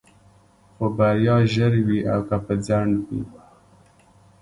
خو بريا ژر وي او که په ځنډ وي.